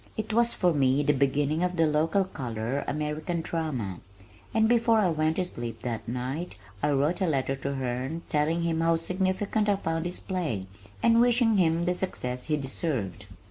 It was for me the beginning of the local color American drama, and before I went to sleep that night I wrote a letter to Herne telling him how significant I found his play and wishing him the success he deserved.